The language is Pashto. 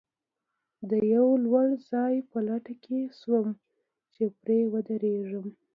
د یوه لوړ ځای په لټه کې شوم، چې پرې ودرېږم.